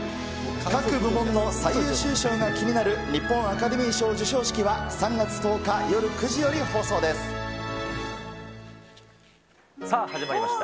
各部門の最優秀賞が気になる日本アカデミー賞授賞式は３月１０日さあ、始まりました。